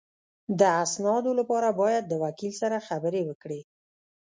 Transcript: د اسنادو لپاره باید د وکیل سره خبرې وکړې